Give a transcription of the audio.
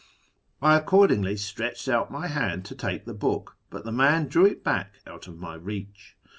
I accordingly stretched out my hand to take the book, but the man drew it back out of my reach.